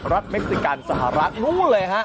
รัฐเมกซิกันสหรัฐนู่นั่นเลยครับ